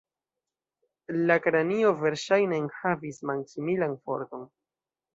La kranio verŝajne enhavis man-similan forton.